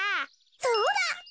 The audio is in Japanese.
そうだ！